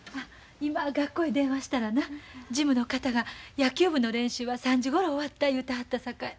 今学校へ電話したらな事務の方が野球部の練習は３時ごろ終わった言うてはったさかい。